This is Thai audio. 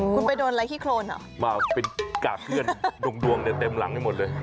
คุณไปโดนอะไรขี้โครนเหรอมาเป็นกากเพื่อนดวงเนี่ยเต็มหลังให้หมดเลย